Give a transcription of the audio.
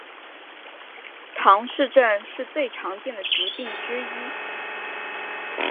唐氏症是最常见的疾病之一。